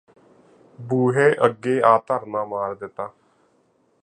ਬੂਹੇ ਅੱਗੇ ਆ ਧਰਨਾ ਮਾਰ ਦਿੱਤਾ